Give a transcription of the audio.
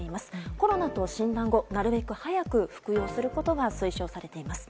コロナと診断後、なるべく早く服用することが推奨されています。